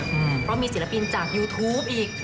เพราะมีศิลปินจากยูทูปอีก